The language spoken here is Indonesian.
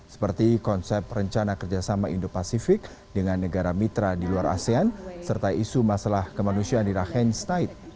seperti konsep rencana kerjasama indo pasifik dengan negara mitra di luar asean serta isu masalah kemanusiaan di rakhine state